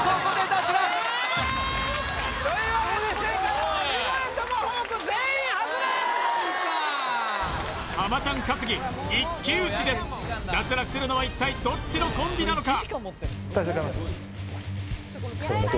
脱落するのは一体どっちのコンビなのか